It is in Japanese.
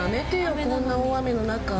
こんな大雨の中。